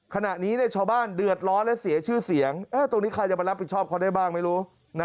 ขณะนี้ชาวบ้านเดือดร้อนและเสียชื่อเสียงตรงนี้ใครจะมารับผิดชอบเขาได้บ้างไม่รู้